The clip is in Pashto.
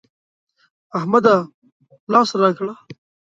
احمده! لاس راکړه.